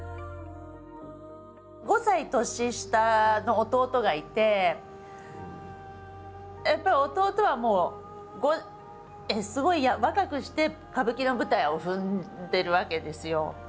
５歳年下の弟がいてやっぱり弟はもうすごい若くして歌舞伎の舞台を踏んでるわけですよ。